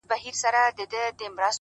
• د ښكلي سولي يوه غوښتنه وكړو،